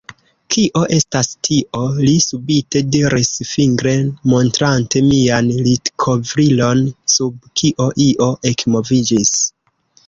Kio estas tio? li subite diris, fingre montrante mian litkovrilon sub kio io ekmoviĝis.